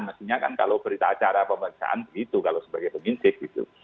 mestinya kan kalau berita acara pemeriksaan begitu kalau sebagai pengintip gitu